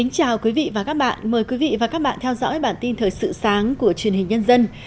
chào mừng quý vị đến với bản tin thời sự sáng của truyền hình nhân dân